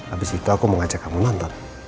abis itu aku mau ngajak kamu nonton